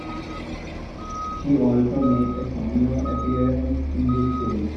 She also made a cameo appearance in this film.